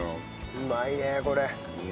うまいねこれ。